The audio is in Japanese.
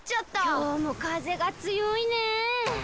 きょうもかぜがつよいね。